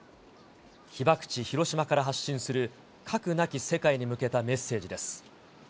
被爆地、広島から発信する核なき世界に向けたメッセージです。